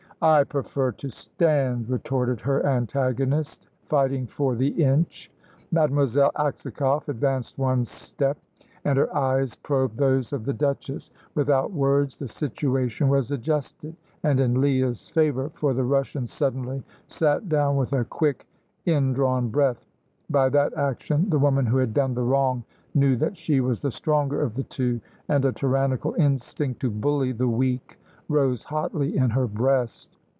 "I prefer to stand," retorted her antagonist, fighting for the inch. Mademoiselle Aksakoff advanced one step and her eyes probed those of the Duchess. Without words the situation was adjusted, and in Leah's favour, for the Russian suddenly sat down with a quick, indrawn breath. By that action the woman who had done the wrong knew that she was the stronger of the two, and a tyrannical instinct to bully the weak rose hotly in her breast.